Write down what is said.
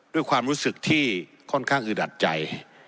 ด้วยความรู้สึกที่ค่อนข้างอึดอัดใจ